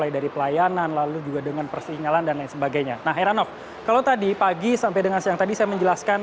dan lain sebagainya nah heranov kalau tadi pagi sampai dengan siang tadi saya menjelaskan